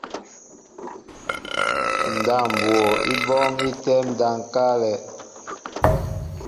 Ndáp mbwo í bɔ́ɔ́ŋ í tɛ́ɛ́m ndáp ŋ̀káálɛ̄.